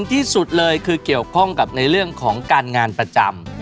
ที่สุดเลยคือเกี่ยวข้องกับในเรื่องของการงานประจำ